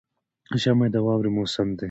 ژمی د واورې موسم دی